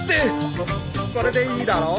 これでいいだろ？